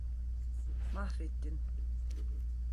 Mahvettin.